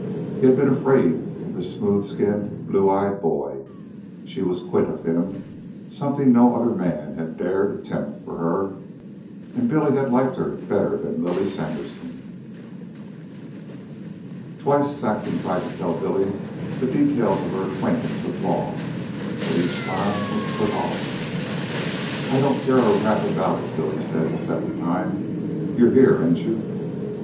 He had been afraid of this smooth skinned, blue eyed boy. She was quit of him something no other man had dared attempt for her. And Billy had liked her better than Lily Sanderson. Twice Saxon tried to tell Billy the details of her acquaintance with Long, but each time was put off. "I don't care a rap about it," Billy said the second time. "You're here, ain't you?"